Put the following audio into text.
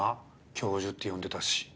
教授って呼んでたし。